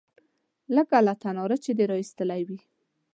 _لکه له تناره چې دې را ايستلې وي.